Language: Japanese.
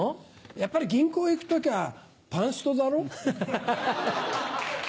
やっぱり銀行行くときゃパンストだろ。